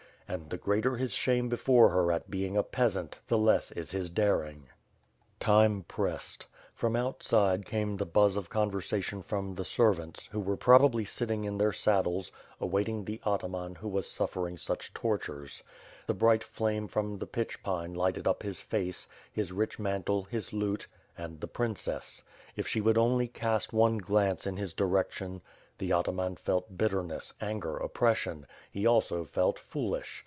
And the greater his shame before her at being a peasant the less is his daring. 450 WITH FIRE AND SWORD. Time pressed. From outside came the buzz of conversation from the servants, who were probably sitting in their saddles, awaiting the ataman who was suffering such tortures. The bright flame from the pitch pine lighted up his face, his rich mantle, his lute — ^and the princess. If she would only cast one glance in his direction; The ataman felt bitterness, anger, oppression; he also felt foolish.